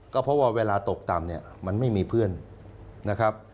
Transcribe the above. ก็เพราะว่าเวลาตกต่ำเนี่ยมันไม่มีเพื่อนนะครับ